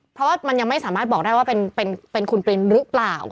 เพราะว่ามันยังไม่สามารถบอกได้ว่าเป็นคุณปรินหรือเปล่า